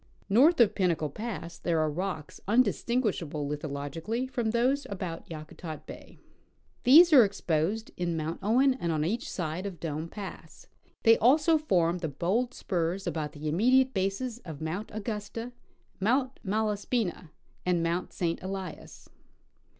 North of Pinnacle pass there are rocks undis tinguishable lithogically from those about Yakutat bay. These are exposed in Mount Owen and on each side of Dome pass ; they also form the bold spurs about the immediate bases of Mount Augusta, Mount Malaspina, and Mount St. Elias.